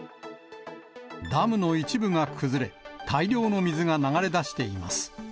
ダムの一部が崩れ、大量の水が流れ出しています。